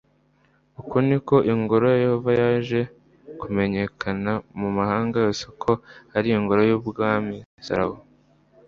uku ni ko ingoro ya yehova yaje kumenyekana mu mahanga yose ko ari ingoro y'umwami salomo